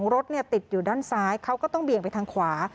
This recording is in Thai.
รถติดอยู่ด้านซ้ายเขาก็ต้องเบี่ยงไปทางขวา